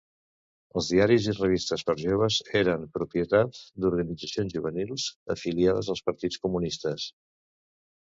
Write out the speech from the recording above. Els diaris i revistes per joves eren propietat d'organitzacions juvenils afiliades als partits comunistes.